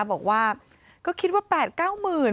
บอกว่าก็คิดว่า๘๙หมื่น